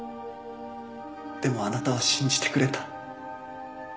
でもあなたは信じてくれた